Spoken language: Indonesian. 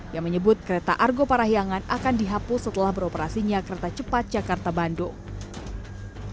yang menyebut kereta argo parahyangan akan dihapus setelah beroperasinya kereta cepat jakarta bandung